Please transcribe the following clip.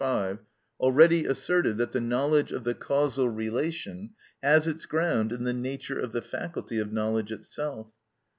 5) already asserted that the knowledge of the causal relation has its ground in the nature of the faculty of knowledge itself.